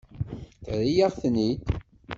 Terra-yaɣ-ten-id.